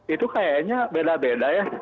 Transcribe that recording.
itu kayaknya beda beda ya